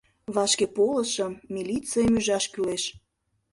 — Вашкеполышым, милицийым ӱжаш кӱлеш.